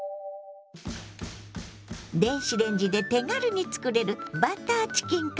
電子レンジで手軽につくれる「バターチキンカレー」。